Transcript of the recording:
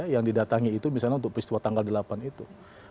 yang didatangi itu misalnya untuk peristiwa tanggal delapan itu